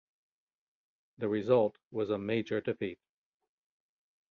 The result was a major defeat.